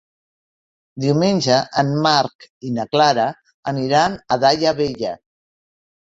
Diumenge en Marc i na Clara aniran a Daia Vella.